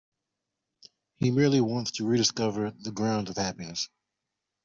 He merely wants to rediscover the grounds of happiness.